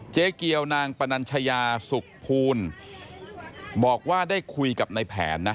เจ๊เกียวนางปนัญชยาสุขภูลบอกว่าได้คุยกับในแผนนะ